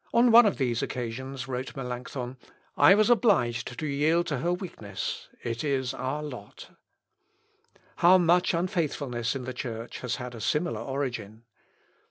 "On one of these occasions," wrote Melancthon, "I was obliged to yield to her weakness.... It is our lot." How much unfaithfulness in the Church has had a similar origin.